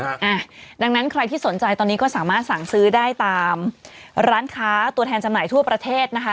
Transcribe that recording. อ่าดังนั้นใครที่สนใจตอนนี้ก็สามารถสั่งซื้อได้ตามร้านค้าตัวแทนจำหน่ายทั่วประเทศนะคะ